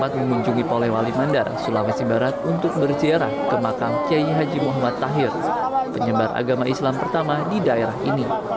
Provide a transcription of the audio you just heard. dalam kegiatan safari politiknya sandiaga menjanjikan untuk berjalan ke makam kiai haji muhammad tahir penyebar agama islam pertama di daerah ini